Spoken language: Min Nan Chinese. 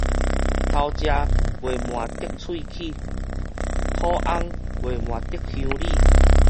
偷食袂瞞得喙齒，討翁袂瞞得鄉里